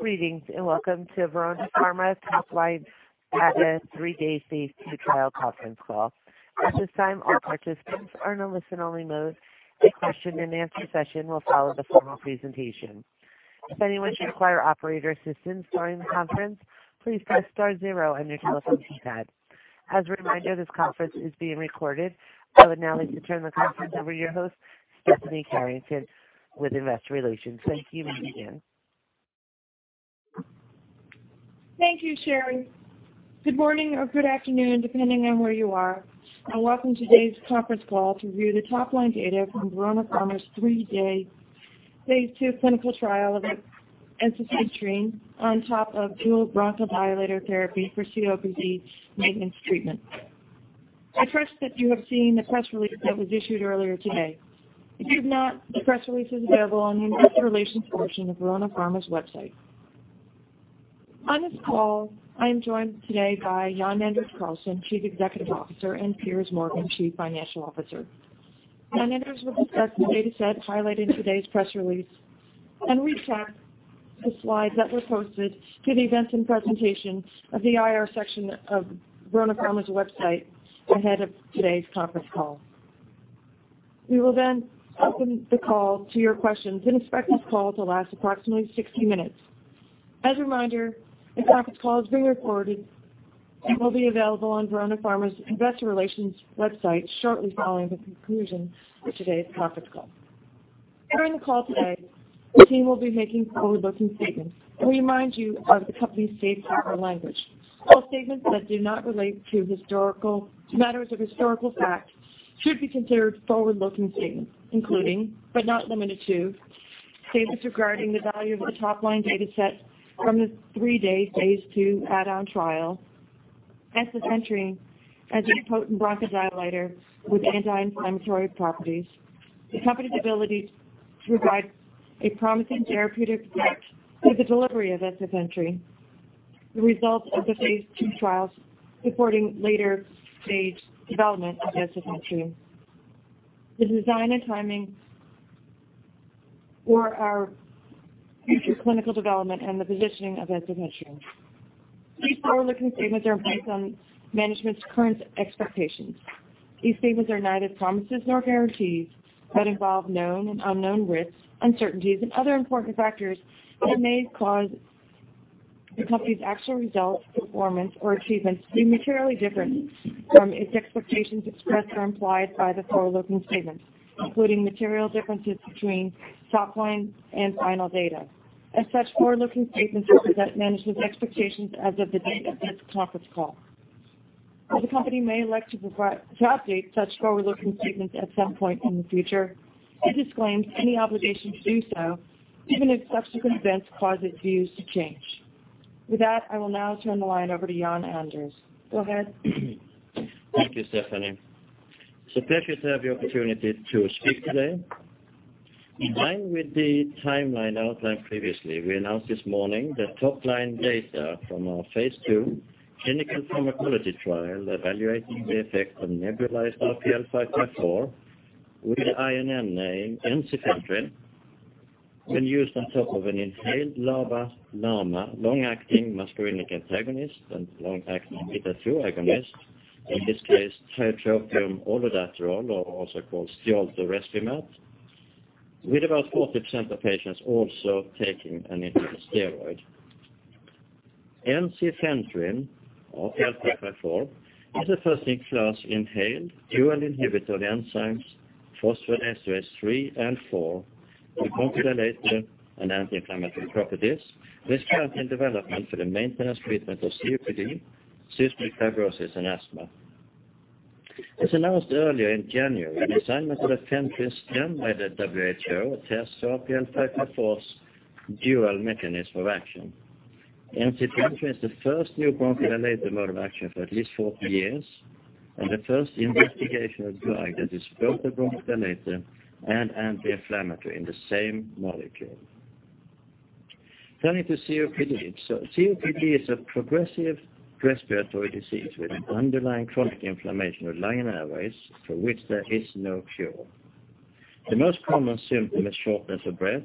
Greetings. Welcome to Verona Pharma's Top-Line Add-On 3-Day Phase II Trial Conference Call. At this time, all participants are in a listen-only mode. A question-and-answer session will follow the formal presentation. If anyone should require operator assistance during the conference, please press star zero on your telephone keypad. As a reminder, this conference is being recorded. I would now like to turn the conference over to your host, Stephanie Carrington with Investor Relations. Thank you once again. Thank you, Sherry. Good morning or good afternoon, depending on where you are. Welcome to today's conference call to review the top-line data from Verona Pharma's 3-day Phase II clinical trial of ensifentrine on top of dual bronchodilator therapy for COPD maintenance treatment. I trust that you have seen the press release that was issued earlier today. If you have not, the press release is available on the Investor Relations portion of Verona Pharma's website. On this call, I am joined today by Jan-Anders Karlsson, Chief Executive Officer, and Piers Morgan, Chief Financial Officer. Jan-Anders will discuss the data set highlighted in today's press release and recap the slides that were posted to the Events and Presentation of the IR section of Verona Pharma's website ahead of today's conference call. We will open the call to your questions and expect this call to last approximately 60 minutes. As a reminder, the conference call is being recorded and will be available on Verona Pharma's Investor Relations website shortly following the conclusion of today's conference call. During the call today, the team will be making forward-looking statements. We remind you of the company's safe harbor language. All statements that do not relate to matters of historical fact should be considered forward-looking statements, including, but not limited to, statements regarding the value of the top-line data set from the 3-day Phase II add-on trial, ensifentrine as a potent bronchodilator with anti-inflammatory properties. The company's ability to provide a promising therapeutic with the delivery of ensifentrine. The results of the Phase II trials supporting later-stage development of ensifentrine. The design and timing for our future clinical development and the positioning of ensifentrine. These forward-looking statements are based on management's current expectations. These statements are neither promises nor guarantees but involve known and unknown risks, uncertainties, and other important factors that may cause the company's actual results, performance, or achievements to be materially different from its expectations expressed or implied by the forward-looking statements, including material differences between top-line and final data. As such, forward-looking statements represent management's expectations as of the date of this conference call. While the company may elect to update such forward-looking statements at some point in the future, it disclaims any obligation to do so, even if subsequent events cause its views to change. With that, I will now turn the line over to Jan-Anders. Go ahead. Thank you, Stephanie. Pleased to have the opportunity to speak today. In line with the timeline outlined previously, we announced this morning the top-line data from our phase II clinical pharmacology trial evaluating the effect of nebulized RPL554 with INN name ensifentrine when used on top of an inhaled LABA/LAMA, long-acting muscarinic antagonist and long-acting beta 2 agonist. In this case, tiotropium/olodaterol, or also called Stiolto Respimat, with about 40% of patients also taking an inhaled steroid. Ensifentrine or RPL554 is a first-in-class inhaled dual inhibitor of the enzymes phosphodiesterase 3 and 4 with bronchodilator and anti-inflammatory properties with current development for the maintenance treatment of COPD, cystic fibrosis, and asthma. As announced earlier in January, an assignment of an INN by the WHO attests to RPL554's dual mechanism of action. Ensifentrine is the first new bronchodilator mode of action for at least 40 years and the first investigational drug that is both a bronchodilator and anti-inflammatory in the same molecule. Turning to COPD. COPD is a progressive respiratory disease with an underlying chronic inflammation of the lung and airways for which there is no cure. The most common symptom is shortness of breath,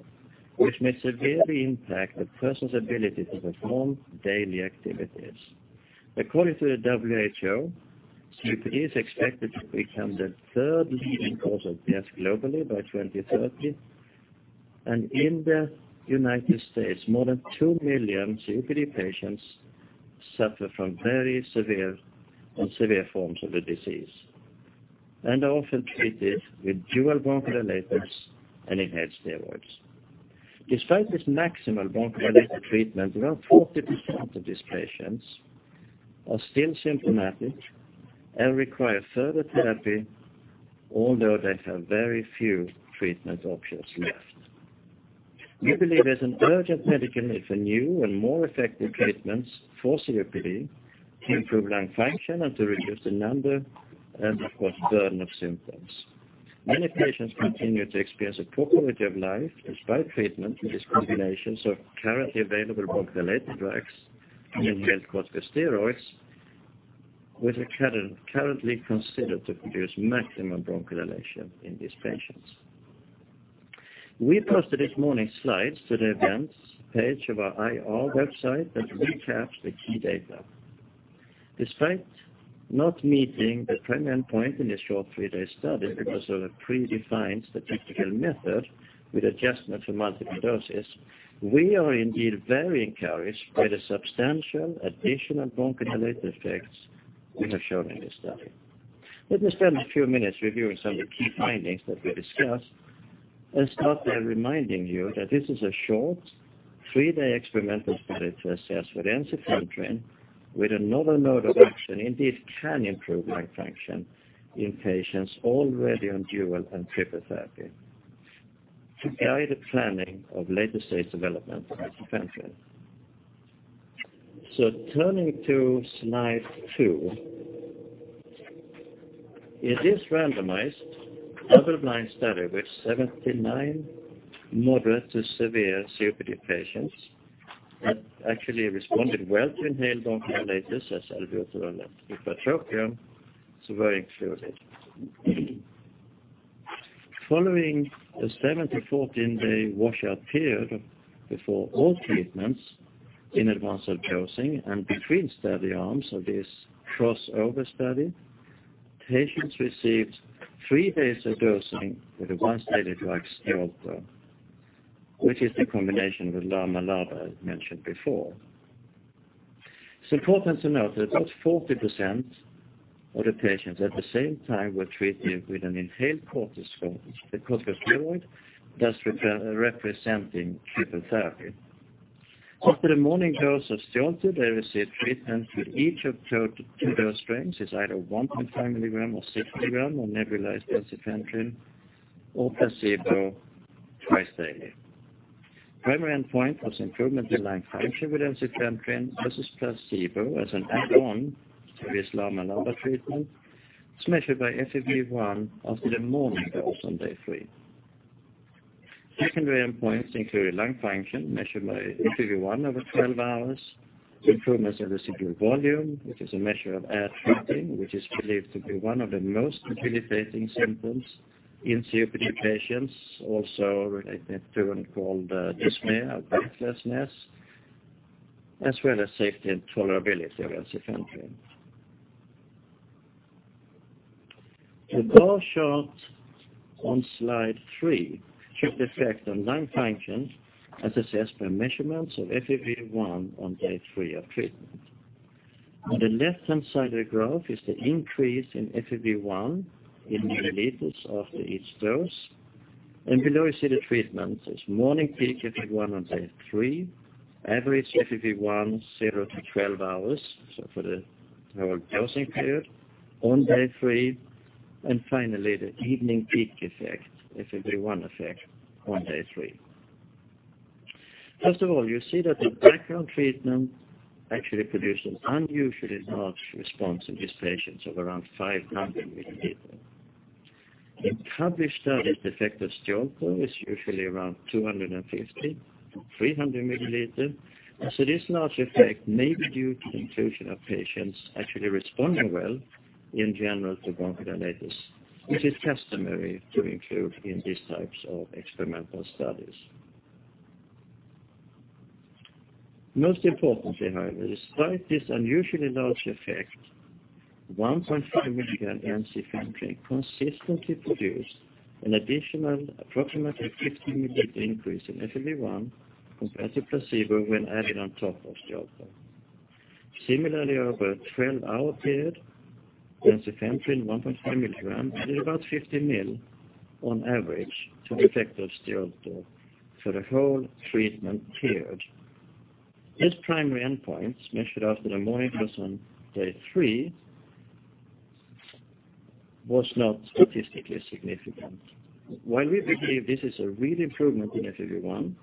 which may severely impact a person's ability to perform daily activities. According to the WHO, COPD is expected to become the third leading cause of death globally by 2030, and in the U.S., more than 2 million COPD patients suffer from very severe and severe forms of the disease and are often treated with dual bronchodilators and inhaled steroids. Despite this maximal bronchodilator treatment, around 40% of these patients are still symptomatic and require further therapy although they have very few treatment options left. We believe there's an urgent medical need for new and more effective treatments for COPD to improve lung function and to reduce the number and, of course, burden of symptoms. Many patients continue to experience a poor quality of life despite treatment with these combinations of currently available bronchodilator drugs, inhaled corticosteroids, which are currently considered to produce maximum bronchodilation in these patients. We posted this morning's slides to the events page of our IR website that recaps the key data. Despite not meeting the primary endpoint in this short 3-day study because of a predefined statistical method with adjustment for multiple doses, we are indeed very encouraged by the substantial additional bronchodilator effects we have shown in this study. Let me spend a few minutes reviewing some of the key findings that we discussed, and start by reminding you that this is a short, 3-day experimental study to assess whether ensifentrine with another mode of action indeed can improve lung function in patients already on dual and triple therapy to guide the planning of later-stage development of ensifentrine. Turning to slide two. In this randomized, double-blind study with 79 moderate to severe COPD patients that actually responded well to inhaled bronchodilators as albuterol and tiotropium. Following a 7 to 14-day washout period before all treatments in advance of dosing and between study arms of this crossover study, patients received 3 days of dosing with a once-daily drug, Stiolto, which is the combination with LAMA, LABA, as mentioned before. It's important to note that about 40% of the patients at the same time were treated with an inhaled corticosteroid, thus representing triple therapy. After the morning dose of Stiolto, they received treatment with each of two dose strengths as either 1.5 milligram or 6 milligram of nebulized ensifentrine or placebo twice daily. Primary endpoint was improvement in lung function with ensifentrine versus placebo as an add-on to this LAMA, LABA treatment. It's measured by FEV1 after the morning dose on day three. Secondary endpoints include lung function measured by FEV1 over 12 hours, improvement of residual volume, which is a measure of air trapping, which is believed to be one of the most debilitating symptoms in COPD patients, also related to and called dyspnea or breathlessness, as well as safety and tolerability of ensifentrine. The bar chart on slide three shows the effect on lung function as assessed by measurements of FEV1 on day three of treatment. On the left-hand side of the graph is the increase in FEV1 in milliliters after each dose, and below you see the treatments as morning peak FEV1 on day three, average FEV1 0 to 12 hours, so for the whole dosing period on day three, and finally, the evening peak effect, FEV1 effect on day three. First of all, you see that the background treatment actually produced an unusually large response in these patients of around 500 milliliter. In published studies, the effect of Stiolto is usually around 250 to 300 milliliter. This large effect may be due to inclusion of patients actually responding well in general to bronchodilators, which is customary to include in these types of experimental studies. Most importantly, however, despite this unusually large effect, 1.5 milligram ensifentrine consistently produced an additional approximate of 50 milliliter increase in FEV1 compared to placebo when added on top of Stiolto. Similarly, over a 12-hour period, ensifentrine 1.5 milligram added about 50 mil on average to the effect of Stiolto for the whole treatment period. This primary endpoint measured after the morning dose on day three was not statistically significant. While we believe this is a real improvement in FEV1,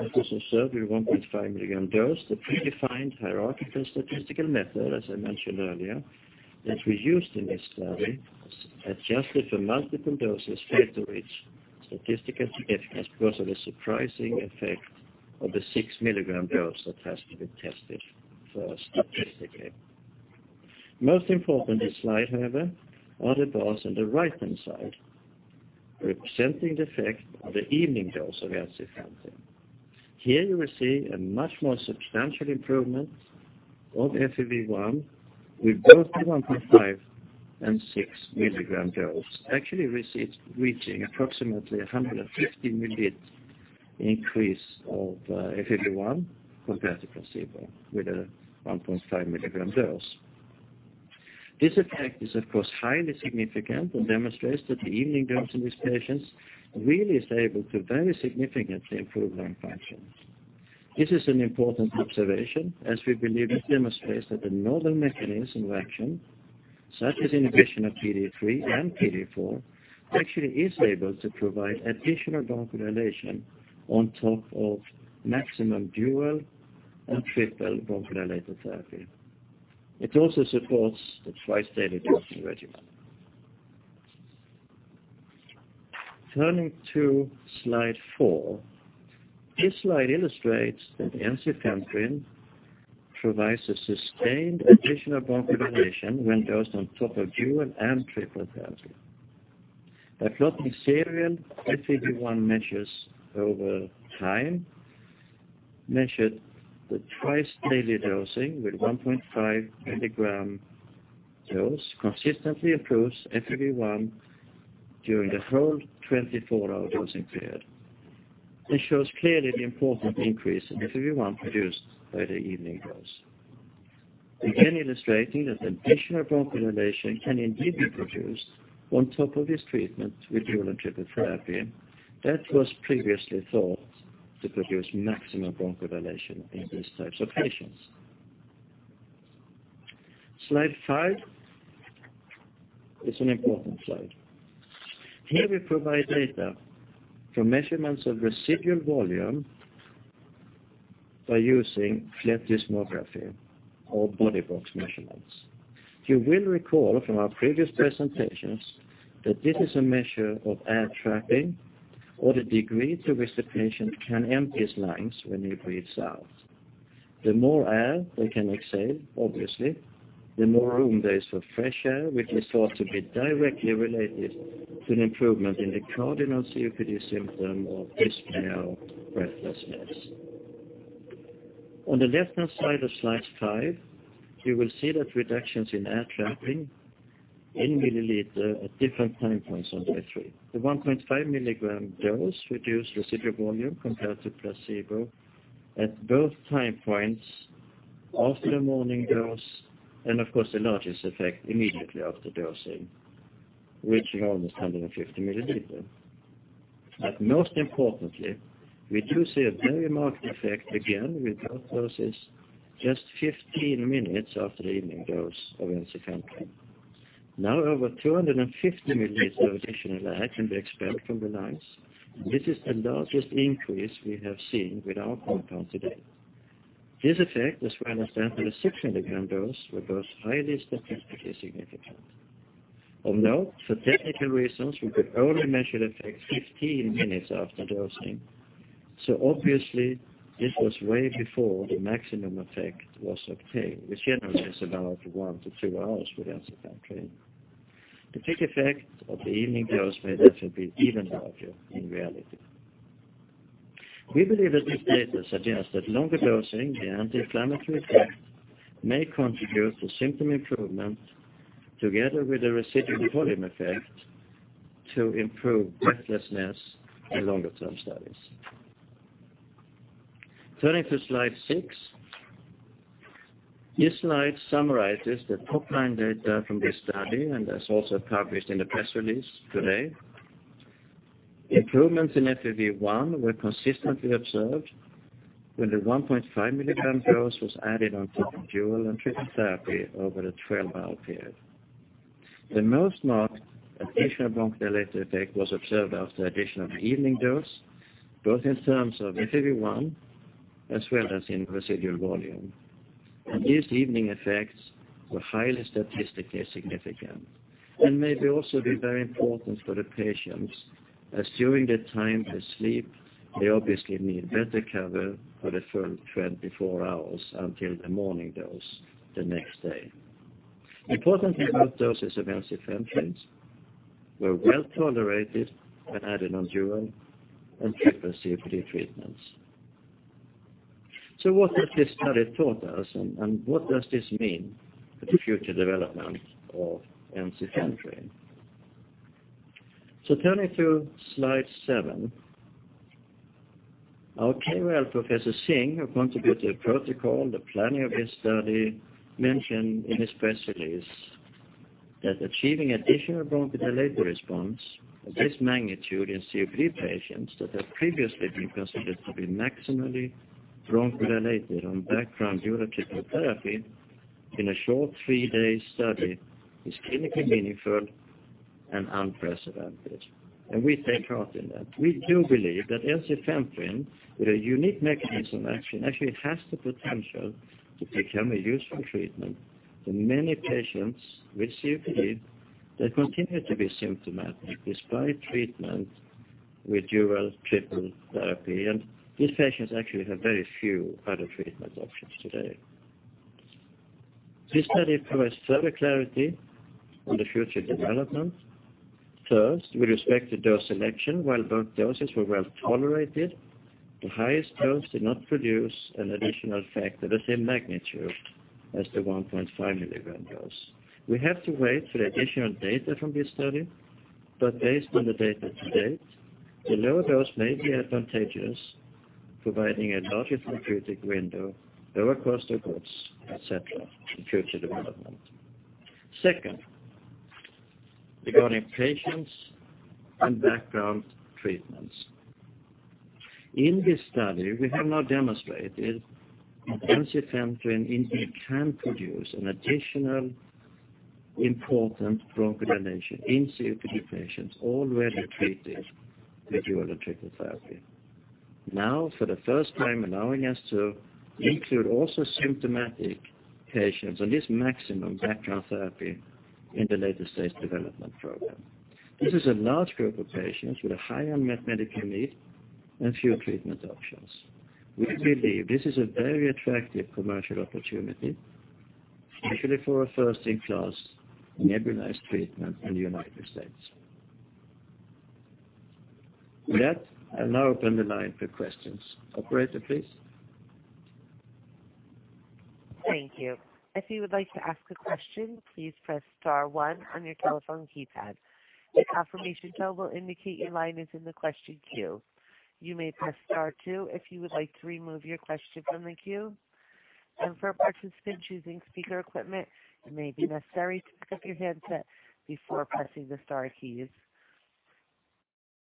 as also observed with 1.5-milligram dose, the predefined hierarchical statistical method, as I mentioned earlier, that we used in this study adjusted for multiple doses failed to reach statistical significance because of the surprising effect of the 6-milligram dose that has to be tested first statistically. Most important in this slide, however, are the bars on the right-hand side representing the effect of the evening dose of ensifentrine. Here you will see a much more substantial improvement of FEV1 with both the 1.5 and 6-milligram dose. Actually, we see it reaching approximately 150 milliliter increase of FEV1 compared to placebo with a 1.5-milligram dose. This effect is, of course, highly significant and demonstrates that the evening dose in these patients really is able to very significantly improve lung function. This is an important observation, as we believe it demonstrates that the novel mechanism of action, such as inhibition of PDE3 and PDE4, actually is able to provide additional bronchodilation on top of maximum dual and triple bronchodilator therapy. It also supports the twice-daily dosing regimen. Turning to slide four. This slide illustrates that ensifentrine provides a sustained additional bronchodilation when dosed on top of dual and triple therapy. A plotting serial FEV1 measures over time measured the twice daily dosing with 1.5 mg dose consistently improves FEV1 during the whole 24-hour dosing period, and shows clearly the important increase in FEV1 produced by the evening dose. Illustrating that additional bronchodilation can indeed be produced on top of this treatment with dual and triple therapy that was previously thought to produce maximum bronchodilation in these types of patients. Slide five is an important slide. Here we provide data from measurements of residual volume by using plethysmography or body box measurements. You will recall from our previous presentations that this is a measure of air trapping, or the degree to which the patient can empty his lungs when he breathes out. The more air they can exhale, obviously, the more room there is for fresh air, which is thought to be directly related to an improvement in the cardinal COPD symptom of dyspnea or breathlessness. On the left-hand side of slide five, you will see that reductions in air trapping in mL at different time points on day three. The 1.5 mg dose reduced residual volume compared to placebo at both time points after the morning dose and of course, the largest effect immediately after dosing, reaching almost 150 mL. Most importantly, we do see a very marked effect again with both doses just 15 minutes after the evening dose of ensifentrine. Over 250 mL of additional air can be expelled from the lungs. This is the largest increase we have seen with our compound to date. This effect was for both the 6 mg dose were both highly statistically significant. Although, for technical reasons, we could only measure effects 15 minutes after dosing. Obviously, this was way before the maximum effect was obtained, which generally is about one to two hours with ensifentrine. The peak effect of the evening dose may therefore be even larger in reality. We believe that this data suggests that longer dosing the anti-inflammatory effect may contribute to symptom improvement together with a residual volume effect to improve breathlessness in longer-term studies. Turning to slide six. This slide summarizes the top-line data from this study and as also published in the press release today. Improvements in FEV1 were consistently observed when the 1.5 mg dose was added on top of dual and triple therapy over the 12-hour period. The most marked additional bronchodilator effect was observed after addition of the evening dose, both in terms of FEV1 as well as in residual volume. These evening effects were highly statistically significant and may also be very important for the patients as during the time they sleep, they obviously need better cover for the full 24 hours until the morning dose the next day. Importantly, both doses of ensifentrine were well-tolerated when added on dual and triple COPD treatments. What has this study taught us and what does this mean for the future development of ensifentrine? Turning to slide seven. Our KOL, Professor Singh, who contributed the protocol, the planning of this study, mentioned in his press release that achieving additional bronchodilator response of this magnitude in COPD patients that have previously been considered to be maximally bronchodilated on background dual or triple therapy in a short three-day study is clinically meaningful and unprecedented, and we take heart in that. We do believe that ensifentrine, with a unique mechanism of action, actually has the potential to become a useful treatment for many patients with COPD that continue to be symptomatic despite treatment with dual, triple therapy, and these patients actually have very few other treatment options today. This study provides further clarity on the future development. First, with respect to dose selection, while both doses were well-tolerated, the highest dose did not produce an additional effect of the same magnitude as the 1.5-milligram dose. We have to wait for the additional data from this study, but based on the data to date, the lower dose may be advantageous, providing a larger therapeutic window, lower cost of goods, et cetera, in future development. Second, regarding patients and background treatments. In this study, we have now demonstrated that ensifentrine indeed can produce an additional important bronchodilation in COPD patients already treated with dual or triple therapy. For the first time allowing us to include also symptomatic patients on this maximum background therapy in the later-stage development program. This is a large group of patients with a higher medical need and fewer treatment options. We believe this is a very attractive commercial opportunity, especially for a first-in-class nebulized treatment in the U.S. With that, I'll now open the line for questions. Operator, please. Thank you. If you would like to ask a question, please press star one on your telephone keypad. An affirmation tone will indicate your line is in the question queue. You may press star two if you would like to remove your question from the queue. For participants using speaker equipment, it may be necessary to pick up your handset before pressing the star keys.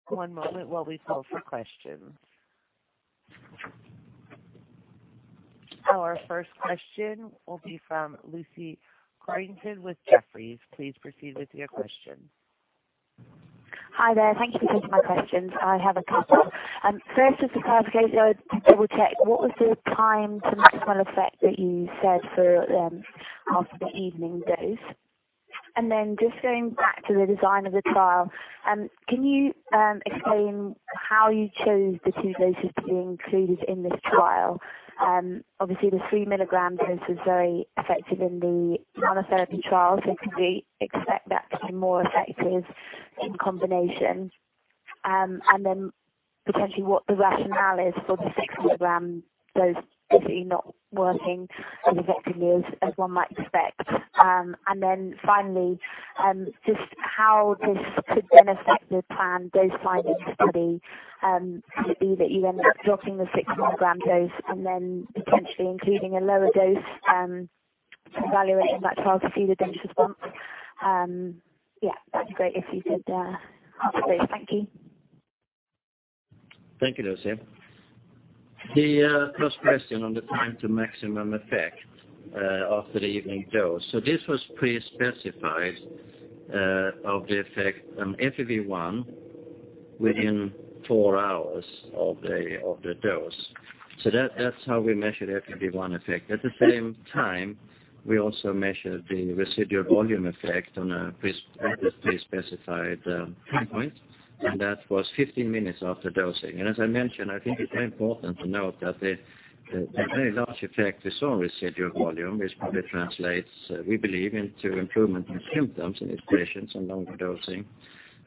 One moment while we call for questions. Our first question will be from Lucy Codrington with Jefferies. Please proceed with your question. Hi there. Thank you for taking my questions. I have a couple. First, just to clarify, double check, what was your time to maximum effect that you said for the evening dose? Just going back to the design of the trial, can you explain how you chose the two doses to be included in this trial? Obviously, the three milligrams dose was very effective in the monotherapy trial, so can we expect that to be more effective in combination? Potentially what the rationale is for the six-milligram dose possibly not working as effectively as one might expect. Finally, just how this could then affect the planned dose finding study. Could it be that you end up dropping the six-milligram dose and then potentially including a lower dose to evaluate in that trial to see the dose response? That'd be great if you could answer those. Thank you. Thank you, Lucy. The first question on the time to maximum effect of the evening dose. This was pre-specified of the effect on FEV1 within four hours of the dose. That's how we measure FEV1 effect. At the same time, we also measured the residual volume effect on a pre-specified time point, and that was 15 minutes after dosing. As I mentioned, I think it's very important to note that the very large effect we saw on residual volume, which probably translates, we believe, into improvement in symptoms in these patients on longer dosing.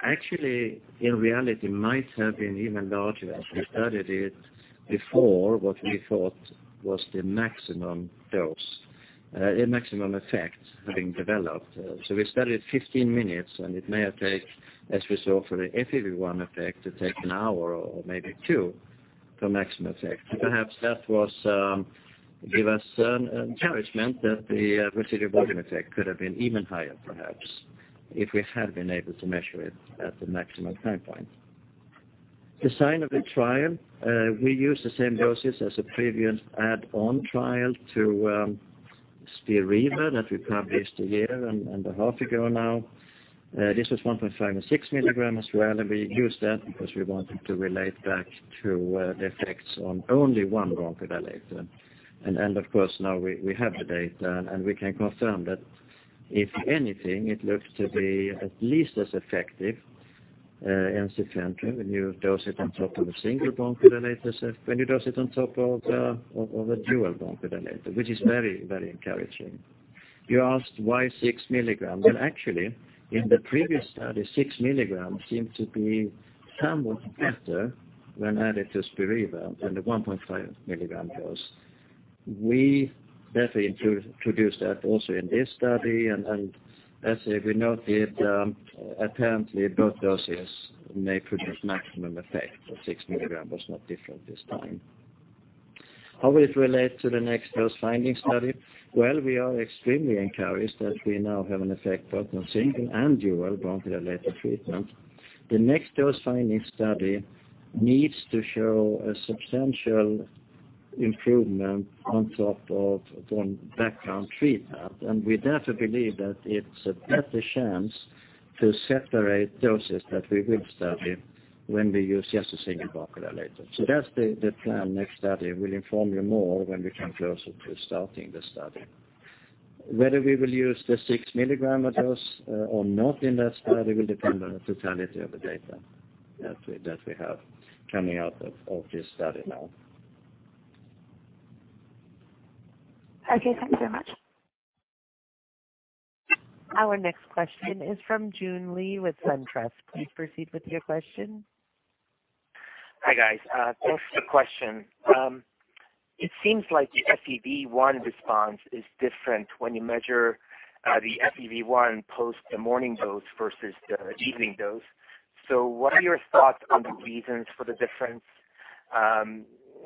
Actually, in reality, might have been even larger as we studied it before what we thought was the maximum dose, the maximum effect having developed. We studied 15 minutes, and it may have taken, as we saw for the FEV1 effect, to take an hour or maybe two for maximum effect. Perhaps that gave us encouragement that the residual volume effect could have been even higher perhaps, if we had been able to measure it at the maximum time point. Design of the trial. We used the same doses as a previous add-on trial to Spiriva that we published a year and a half ago now. This was 1.5 and six milligrams as well. We used that because we wanted to relate back to the effects on only one bronchodilator. Of course, now we have the data, and we can confirm that, if anything, it looks to be at least as effective, ensifentrine, when you dose it on top of a single bronchodilator, when you dose it on top of a dual bronchodilator, which is very encouraging. You asked why six milligrams. Well, actually, in the previous study, six milligrams seemed to be somewhat better when added to Spiriva than the 1.5 milligram dose. We definitely introduced that also in this study. As we noted, apparently both doses may produce maximum effect, but six milligram was not different this time. How will it relate to the next dose finding study? Well, we are extremely encouraged that we now have an effect both on single and dual bronchodilator treatment. The next dose finding study needs to show a substantial improvement on top of one background treatment. We therefore believe that it's a better chance to separate doses that we will study when we use just a single bronchodilator. That's the plan next study. We'll inform you more when we come closer to starting the study. Whether we will use the six-milligram dose or not in that study will depend on the totality of the data that we have coming out of this study now. Okay, thank you very much. Our next question is from June Lee with SunTrust. Please proceed with your question. Hi, guys. Thanks for the question. It seems like the FEV1 response is different when you measure the FEV1 post the morning dose versus the evening dose. What are your thoughts on the reasons for the difference?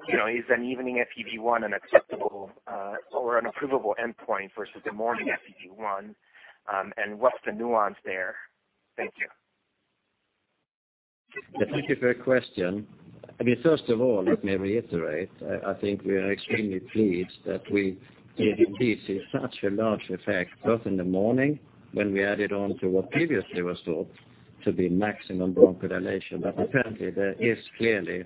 Is an evening FEV1 an acceptable or an approvable endpoint versus the morning FEV1? What's the nuance there? Thank you. Thank you for your question. First of all, let me reiterate, I think we are extremely pleased that we indeed see such a large effect both in the morning when we added on to what previously was thought to be maximum bronchodilation. Apparently there is clearly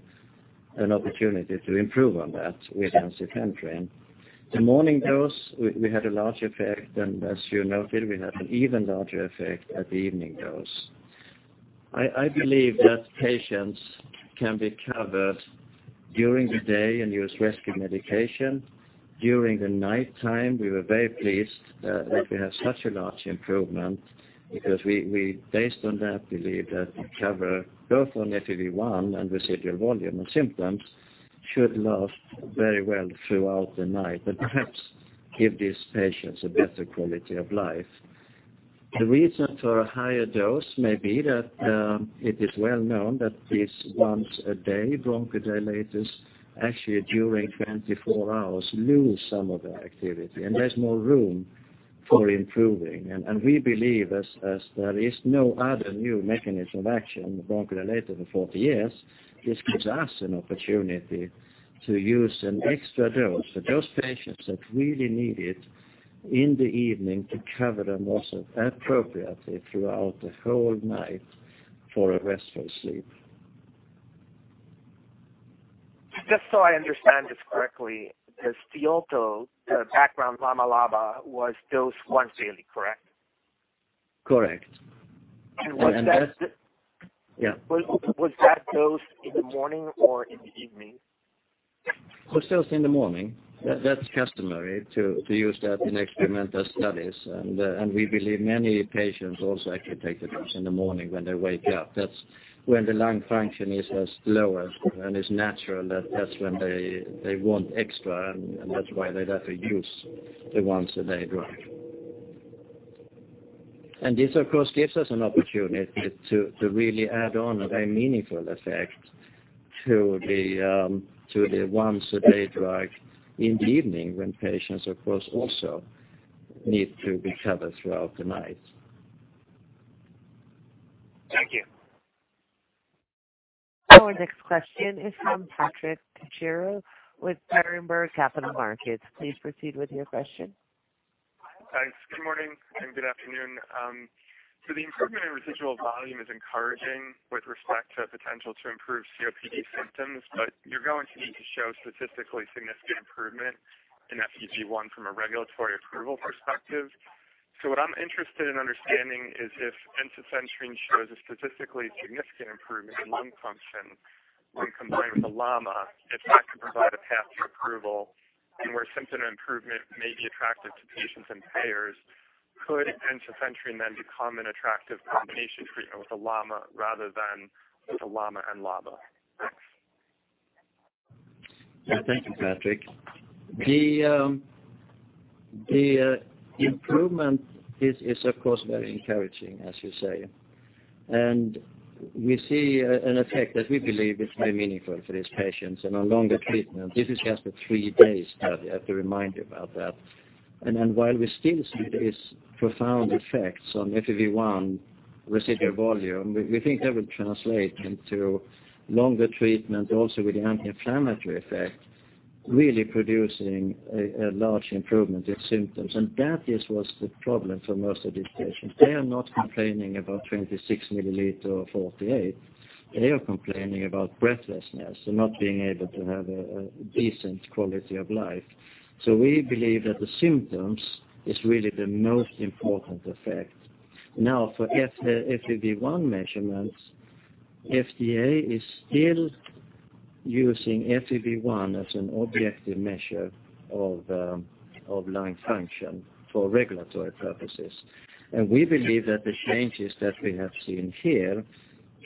an opportunity to improve on that with ensifentrine. The morning dose, we had a large effect, and as you noted, we had an even larger effect at the evening dose. I believe that patients can be covered during the day and use rescue medication. During the nighttime, we were very pleased that we have such a large improvement because based on that belief that we cover both on FEV1 and residual volume and symptoms should last very well throughout the night and perhaps give these patients a better quality of life. The reason for a higher dose may be that it is well known that these once-a-day bronchodilators actually during 24 hours lose some of their activity, and there's more room for improving. We believe as there is no other new mechanism of action in bronchodilator for 40 years, this gives us an opportunity to use an extra dose for those patients that really need it in the evening to cover them also appropriately throughout the whole night for a restful sleep. Just so I understand this correctly, the Stiolto, the background LAMA-LABA was dosed once daily, correct? Correct. Was that Yeah. Was that dose in the morning or in the evening? It was dosed in the morning. That is customary to use that in experimental studies. We believe many patients also actually take the dose in the morning when they wake up. That is when the lung function is as low as, and it is natural that that is when they want extra, and that is why they have to use the once-a-day drug. This, of course, gives us an opportunity to really add on a very meaningful effect to the once-a-day drug in the evening when patients, of course, also need to be covered throughout the night. Thank you. Our next question is from Patrick Trucchio with Berenberg Capital Markets. Please proceed with your question. Thanks. Good morning and good afternoon. The improvement in residual volume is encouraging with respect to potential to improve COPD symptoms, but you're going to need to show statistically significant improvement in FEV1 from a regulatory approval perspective. What I'm interested in understanding is if ensifentrine shows a statistically significant improvement in lung function when combined with a LAMA, if that could provide a path to approval and where symptom improvement may be attractive to patients and payers, could ensifentrine then become an attractive combination treatment with a LAMA rather than with a LAMA and LABA? Thank you, Patrick. The improvement is, of course, very encouraging, as you say. We see an effect that we believe is very meaningful for these patients and on longer treatment. This is just a three-day study. I have to remind you about that. While we still see these profound effects on FEV1 residual volume, we think that will translate into longer treatment, also with the anti-inflammatory effect, really producing a large improvement in symptoms. That is what's the problem for most of these patients. They are not complaining about 26 milliliter or 48. They are complaining about breathlessness and not being able to have a decent quality of life. We believe that the symptoms is really the most important effect. Now, for FEV1 measurements, FDA is still using FEV1 as an objective measure of lung function for regulatory purposes. We believe that the changes that we have seen here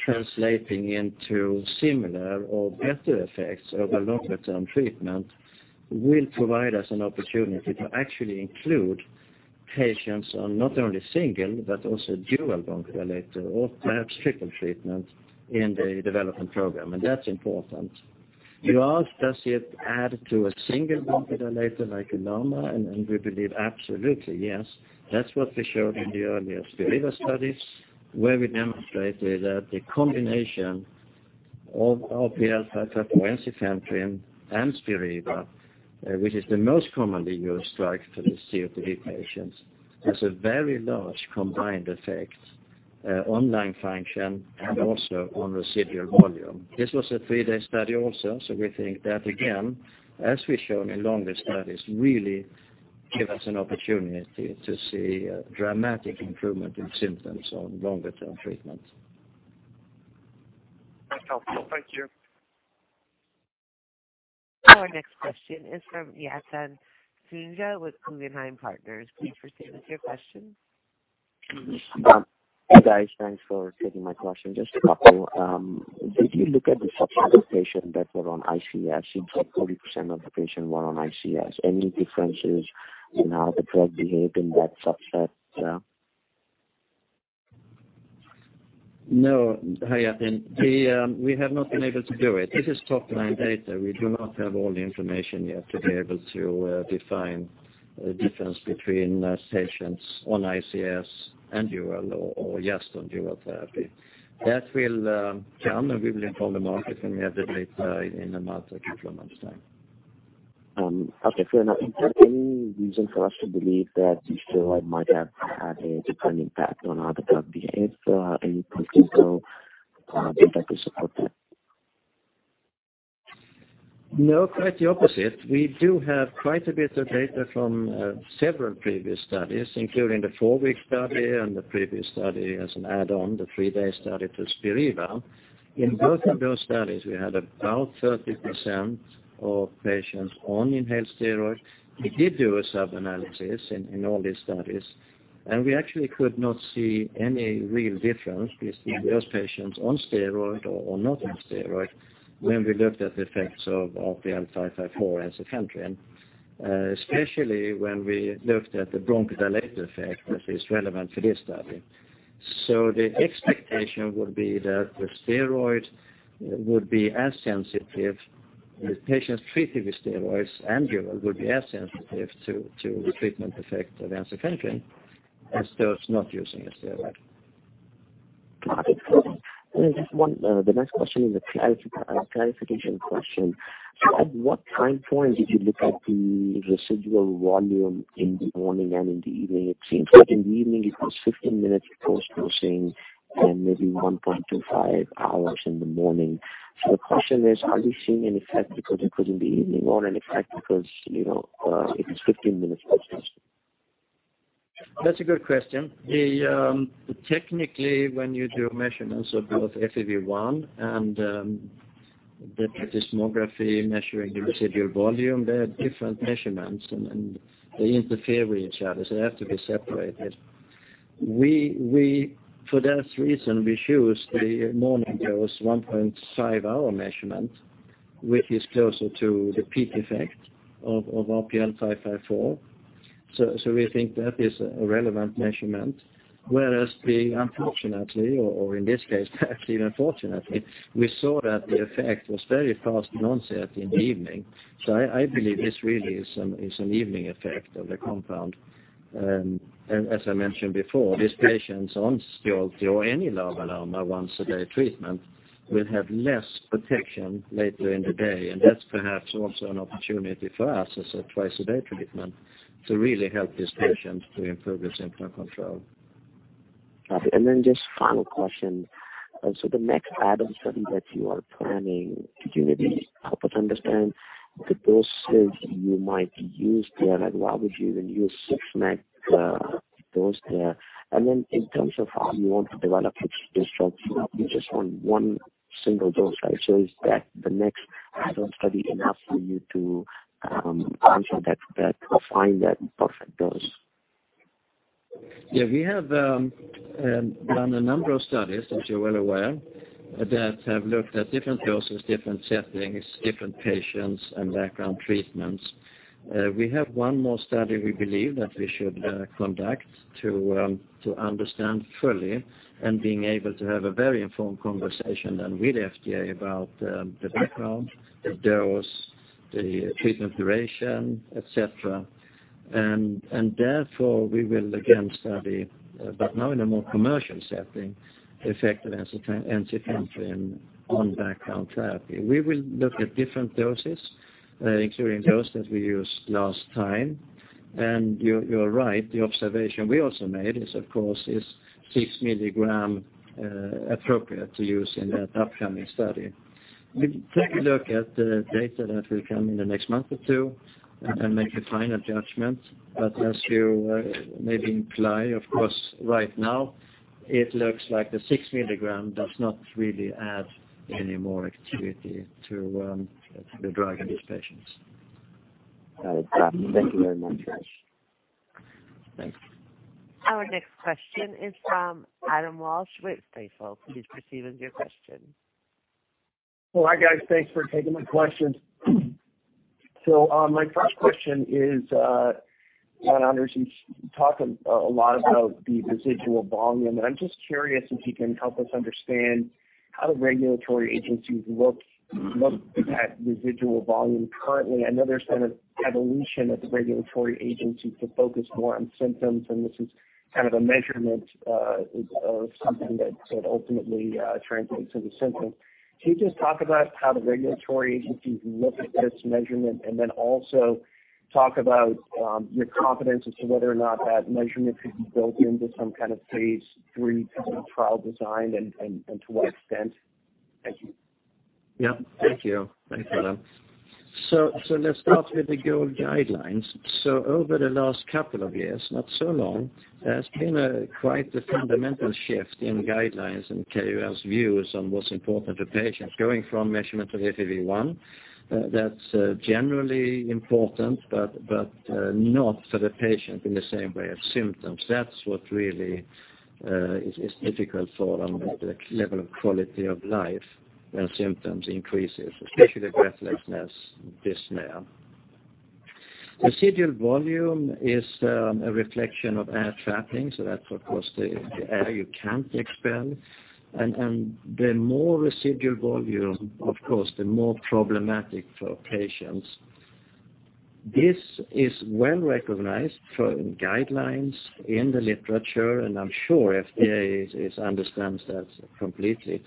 translating into similar or better effects over longer-term treatment will provide us an opportunity to actually include patients on not only single but also dual bronchodilator or perhaps triple treatment in the development program, and that's important. You asked, does it add to a single bronchodilator like a LAMA, and we believe absolutely yes. That's what we showed in the earlier Spiriva studies, where we demonstrated that the combination of RPL554, ensifentrine, and Spiriva, which is the most commonly used drug for these COPD patients, has a very large combined effect on lung function and also on residual volume. This was a three-day study also. We think that again, as we've shown in longer studies, really give us an opportunity to see a dramatic improvement in symptoms on longer term treatment. That's helpful. Thank you. Our next question is from Yatin Suneja with Guggenheim Securities. Please proceed with your question. Hi, guys. Thanks for taking my question. Just a couple. Did you look at the subset of patients that were on ICS? You said 40% of the patients were on ICS. Any differences in how the drug behaved in that subset? No. Hi, Yatin. We have not been able to do it. This is top-line data. We do not have all the information yet to be able to define the difference between patients on ICS and dual or just on dual therapy. That will come, and we will inform the market when we have the data in a matter of a couple of months time. Okay, fair enough. Is there any reason for us to believe that the steroid might have had a different impact on how the drug behaves? Any principle data to support that? No, quite the opposite. We do have quite a bit of data from several previous studies, including the 4-week study and the previous study as an add-on, the 3-day study to Spiriva. In both of those studies, we had about 30% of patients on inhaled steroids. We did do a sub-analysis in all these studies, and we actually could not see any real difference between those patients on steroids or not on steroids when we looked at the effects of RPL554 ensifentrine, especially when we looked at the bronchodilator effect that is relevant for this study. The expectation would be that the patients treated with steroids and durable would be as sensitive to the treatment effect of ensifentrine as those not using a steroid. Got it. The next question is a clarification question. At what time point did you look at the residual volume in the morning and in the evening? It seems like in the evening it was 15 minutes post-dosing and maybe 1.25 hours in the morning. The question is, are we seeing an effect because it was in the evening or an effect because it was 15 minutes post-dosing? That's a good question. Technically, when you do measurements of both FEV1 and the spirometry measuring the residual volume, they are different measurements, and they interfere with each other, they have to be separated. For that reason, we choose the morning dose 1.5-hour measurement, which is closer to the peak effect of RPL554. We think that is a relevant measurement. Whereas unfortunately, or in this case perhaps even fortunately, we saw that the effect was very fast onset in the evening. I believe this really is an evening effect of the compound. As I mentioned before, these patients on Stiolto or any long-acting once-a-day treatment will have less protection later in the day. That's perhaps also an opportunity for us as a twice-a-day treatment to really help these patients to improve their symptom control. Got it. Just final question. The next add-on study that you are planning, could you maybe help us understand the doses you might use there? Why would you even use 6 mg dose there? In terms of how you want to develop this drug, you just want one single dose, right? Is the next add-on study enough for you to answer that or find that perfect dose? Yeah, we have done a number of studies, as you're well aware, that have looked at different doses, different settings, different patients, and background treatments. We have one more study we believe that we should conduct to understand fully and being able to have a very informed conversation then with FDA about the background, the dose, the treatment duration, et cetera. Therefore, we will again study, but now in a more commercial setting, the effect of ensifentrine on background therapy. We will look at different doses, including dose that we used last time. You are right, the observation we also made is of course, is six milligram appropriate to use in that upcoming study. We take a look at the data that will come in the next month or two and make a final judgment. As you maybe imply, of course, right now it looks like the six milligram does not really add any more activity to the drug in these patients. Got it. Thank you very much. Thanks. Our next question is from Adam Walsh with Stifel. Please proceed with your question. Hi, guys. Thanks for taking my questions. My first question is, I understand you talk a lot about the residual volume, and I'm just curious if you can help us understand how the regulatory agencies look at residual volume currently. I know there's been an evolution at the regulatory agencies to focus more on symptoms, and this is kind of a measurement of something that ultimately translates into symptoms. Can you just talk about how the regulatory agencies look at this measurement, and then also talk about your confidence as to whether or not that measurement could be built into some kind of phase III trial design and to what extent? Thank you. Yeah. Thank you. Thanks for that. Let's start with the GOLD guidelines. Over the last couple of years, not so long, there's been quite the fundamental shift in guidelines and KOL views on what's important to patients going from measurement of FEV1. That's generally important, but not for the patient in the same way as symptoms. That's what really is difficult for them, the level of quality of life when symptoms increases, especially breathlessness, dyspnea. Residual volume is a reflection of air trapping, so that's of course the air you can't expel. And the more residual volume, of course, the more problematic for patients. This is well recognized for guidelines in the literature, and I'm sure FDA understands that completely.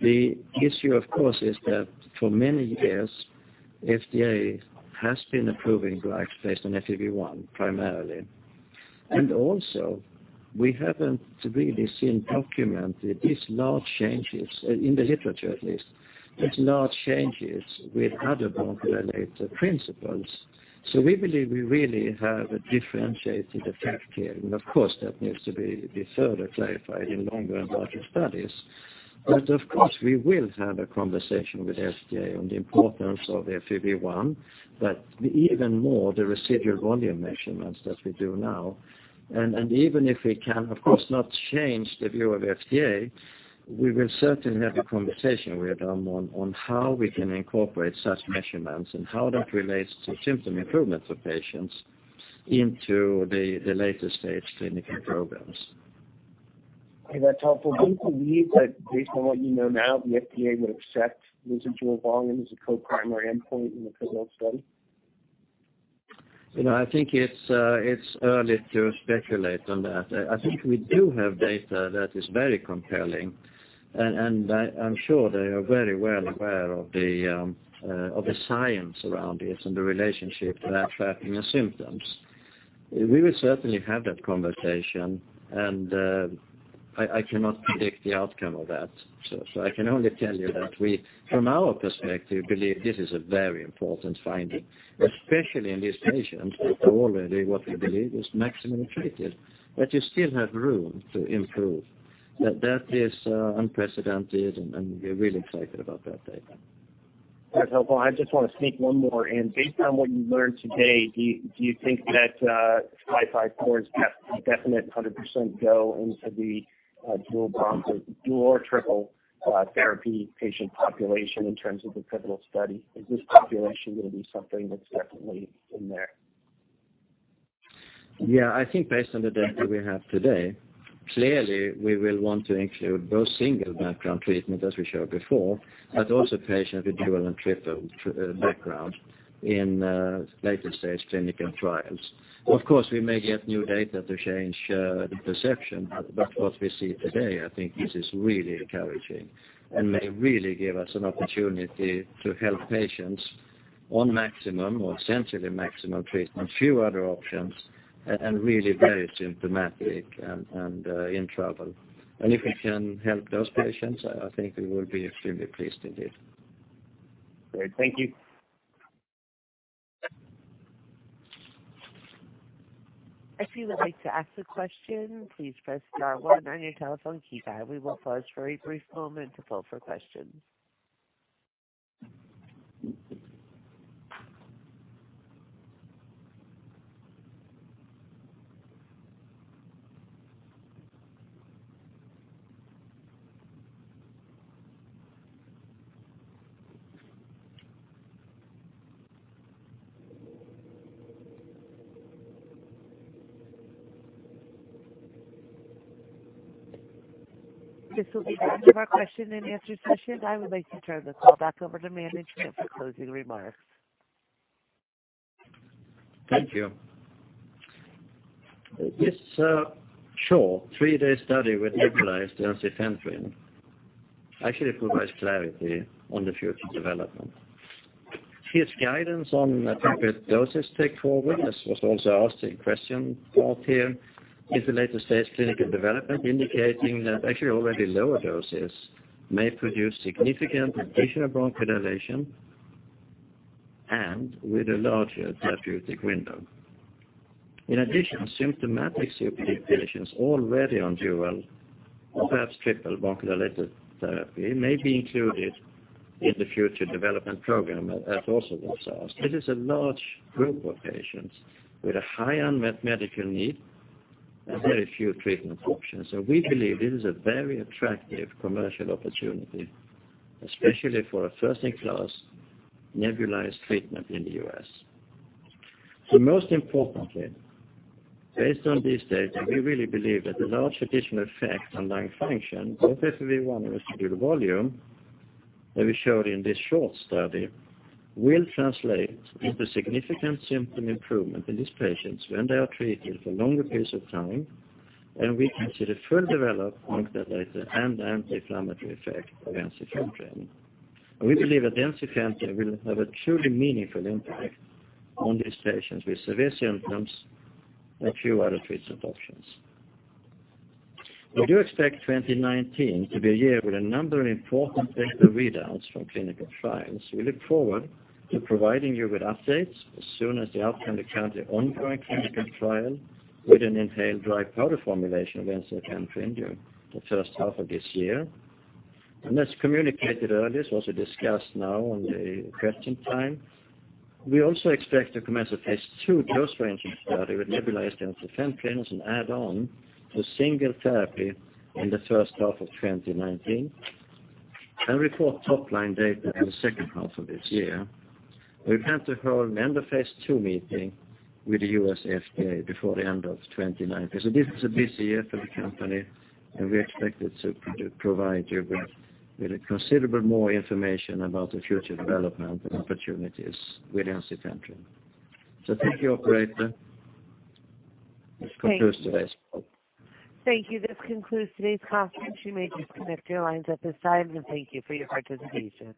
The issue, of course, is that for many years, FDA has been approving drugs based on FEV1 primarily. Also we haven't really seen documented these large changes, in the literature at least, these large changes with other bronchodilator principles. We believe we really have a differentiated effect here, and of course, that needs to be further clarified in longer and larger studies. Of course, we will have a conversation with FDA on the importance of FEV1. Even more, the residual volume measurements that we do now. Even if we can, of course, not change the view of FDA, we will certainly have a conversation with them on how we can incorporate such measurements and how that relates to symptom improvements of patients into the later-stage clinical programs. That's helpful. Do you believe that based on what you know now, the FDA would accept residual volume as a co-primary endpoint in the pivotal study? I think it's early to speculate on that. I think we do have data that is very compelling, and I'm sure they are very well aware of the science around this and the relationship to that affecting the symptoms. We will certainly have that conversation, and I cannot predict the outcome of that. I can only tell you that we, from our perspective, believe this is a very important finding, especially in these patients who are already what we believe is maximum treated. That you still have room to improve. That is unprecedented, and we're really excited about that data. That's helpful. I just want to sneak one more in. Based on what you learned today, do you think that 554 is definite 100% go into the dual or triple therapy patient population in terms of the pivotal study? Is this population going to be something that's definitely in there? Yeah, I think based on the data we have today, clearly we will want to include both single background treatment, as we showed before, but also patients with dual and triple background in later-stage clinical trials. Of course, we may get new data to change the perception, but what we see today, I think this is really encouraging and may really give us an opportunity to help patients on maximum or essentially maximum treatment, few other options, and really very symptomatic and in trouble. If we can help those patients, I think we will be extremely pleased indeed. Great. Thank you. If you would like to ask a question, please press star one on your telephone keypad. We will pause for a brief moment to poll for questions. This will be the end of our question-and-answer session. I would like to turn the call back over to management for closing remarks. Thank you. This short three-day study with nebulized ensifentrine actually provides clarity on the future development. Here is guidance on appropriate doses to take forward was also asked in question earlier in the later-stage clinical development, indicating that actually already lower doses may produce significant additional bronchodilation and with a larger therapeutic window. In addition, symptomatic COPD patients already on dual or perhaps triple bronchodilator therapy may be included in the future development program. That also was asked. It is a large group of patients with a high unmet medical need and very few treatment options. We believe it is a very attractive commercial opportunity, especially for a first-in-class nebulized treatment in the U.S. Most importantly, based on this data, we really believe that the large additional effect on lung function with FEV1 residual volume that we showed in this short study will translate into significant symptom improvement in these patients when they are treated for longer periods of time, and we consider further development that later and anti-inflammatory effect of ensifentrine. We believe that ensifentrine will have a truly meaningful impact on these patients with severe symptoms and few other treatment options. We do expect 2019 to be a year with a number of important data readouts from clinical trials. We look forward to providing you with updates as soon as the outcome of the currently ongoing clinical trial with an inhaled dry powder formulation of ensifentrine during the first half of this year. As communicated earlier, it's also discussed now in the question time. We also expect to commence a phase II dose-ranging study with nebulized ensifentrine as an add-on to single therapy in the first half of 2019 and report top-line data in the second half of this year. We plan to hold an end-of-phase II meeting with the U.S. FDA before the end of 2019. This is a busy year for the company, and we expect it to provide you with considerable more information about the future development and opportunities with ensifentrine. Thank you, operator. Thanks. This concludes today's call. Thank you. This concludes today's conference. You may disconnect your lines at this time, and thank you for your participation.